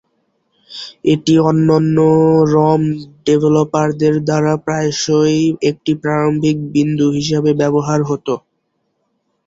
এটি অন্যান্য রম ডেভেলপারদের দ্বারা প্রায়শই একটি প্রারম্ভিক বিন্দু হিসাবে ব্যবহৃত হতো।